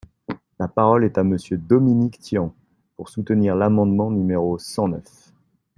La parole est à Monsieur Dominique Tian, pour soutenir l’amendement numéro cent neuf.